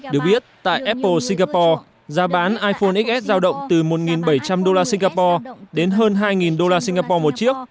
được biết tại apple singapore giá bán iphone xs giao động từ một bảy trăm linh usd singapore đến hơn hai usd singapore một chiếc